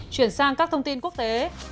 chuyển sang các thông tin quốc tế